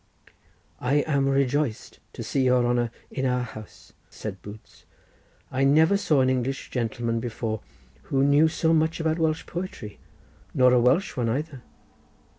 "I am rejoiced to see your honour in our house," said boots; "I never saw an English gentleman before who knew so much about Welsh poetry, nor a Welsh one either.